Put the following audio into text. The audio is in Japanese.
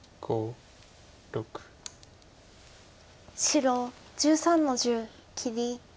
白１３の十切り。